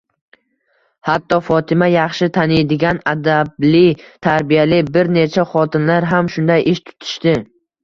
Hatto Fotima yaxshi taniydigan adabli, tarbiyali bir nechta xotinlar ham shunday ish tutishdi.